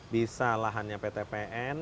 bisa lahannya ptpn